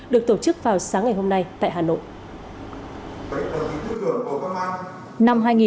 được tổ chức vào sáng ngày hôm nay tại hà nội